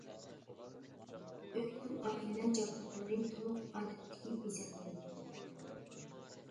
ئۆينىڭ ئائىلە جابدۇقلىرى تولۇق، ئادەتتىكى بېزەلگەن.